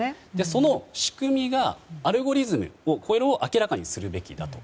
その仕組みがアルゴリズムを明らかにするべきだと。